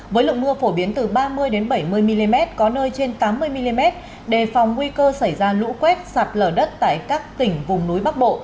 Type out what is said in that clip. với lượng mưa phổ biến từ ba mươi bảy mươi mm có nơi trên tám mươi mm đề phòng nguy cơ xảy ra lũ quét sạt lở đất tại các tỉnh vùng núi bắc bộ